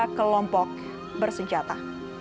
ada kelompok bersenjata